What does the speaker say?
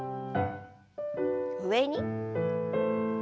上に。